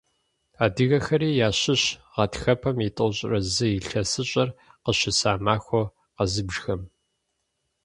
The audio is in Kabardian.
Адыгэхэри ящыщщ гъатхэпэм и тӏощӏрэ зыр илъэсыщӀэр къыщыса махуэу къэзыбжхэм.